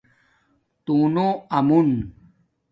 تُݹنوآمُون